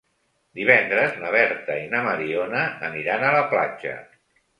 Divendres na Berta i na Mariona aniran a la platja.